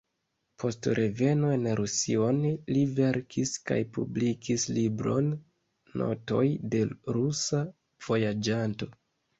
Post reveno en Rusion li verkis kaj publikis libron "“Notoj de rusa vojaĝanto”".